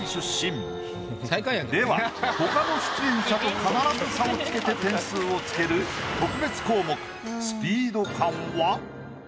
では他の出演者と必ず差をつけて点数をつける特別項目。